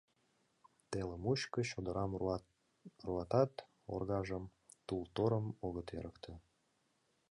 Теле мучко чодырам руат-руатат, оргажым, тул-торым огыт эрыкте.